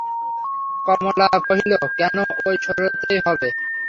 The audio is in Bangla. কমলা কহিল, কেন, ঐ সরাতেই হইবে।